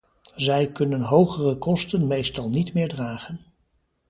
Zij kunnen hogere kosten meestal niet meer dragen.